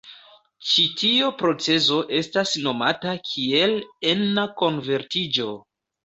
Ĉi tio procezo estas nomata kiel ena konvertiĝo.